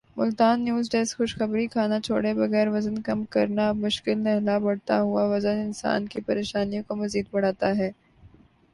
Multan news desk خشخبری کھانا چھوڑے بغیر وزن کم کرنا اب مشکل نہلا بڑھتا ہوا وزن انسان کی پریشانیوں کو مذید بڑھاتا ہے